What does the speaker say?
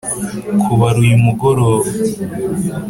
kubara uyu mugoroba